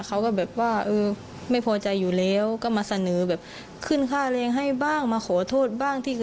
เขาก็แบบว่าเออไม่พอใจอยู่แล้วก็มาเสนอแบบขึ้นค่าแรงให้บ้างมาขอโทษบ้าง